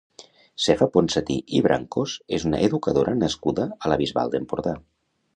Sefa Ponsatí i Brancós és una educadora nascuda a la Bisbal d'Empordà.